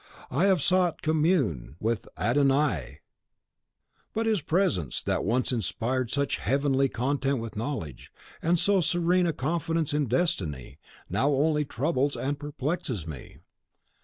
I have sought commune with Adon Ai; but his presence, that once inspired such heavenly content with knowledge, and so serene a confidence in destiny, now only troubles and perplexes me.